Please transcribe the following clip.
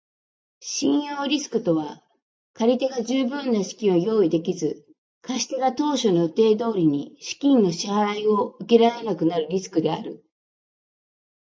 信用リスクとは借り手が十分な資金を用意できず、貸し手が当初の予定通りに資金の支払を受けられなくなるリスクである。